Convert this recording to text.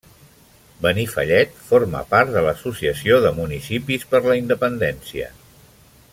Benifallet Forma part de l'Associació de Municipis per la Independència.